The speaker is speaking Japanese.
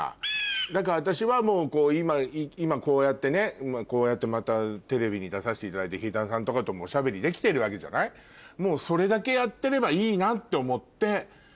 だから私は今こうやってねこうやってまたテレビに出させていただいてヒゲダンさんとかともおしゃべりできてるわけじゃない？って思って。